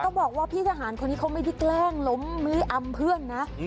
บอกว่าพี่ทหารคนนี้เขาไม่ได้แกล้งล้มมื้ออำเพื่อนนะ